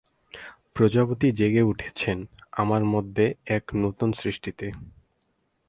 প্রজাপতি জেগে উঠেছেন আমার মধ্যে এক নূতন সৃষ্টিতে।